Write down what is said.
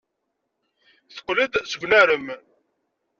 Teqqel-d seg unarem.